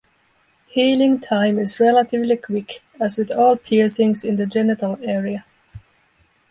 Healing time is relatively quick, as with all piercings in the genital area.